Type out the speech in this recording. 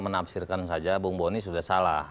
menafsirkan saja bung boni sudah salah